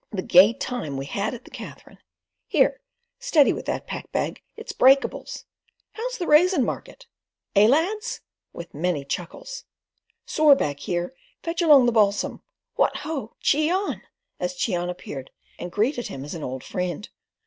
"The gay time we had at the Katherine! Here, steady with that pack bag. It's breakables! How's the raisin market? Eh, lads!" with many chuckles. "Sore back here, fetch along the balsam. What ho, Cheon!" as Cheon appeared and greeted him as an old friend.